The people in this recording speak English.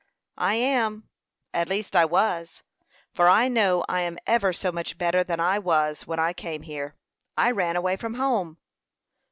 "I am at least, I was; for I know I am ever so much better than I was when I came here. I ran away from home!"